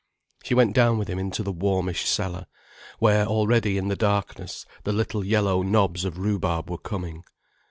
She went down with him into the warmish cellar, where already in the darkness the little yellow knobs of rhubarb were coming.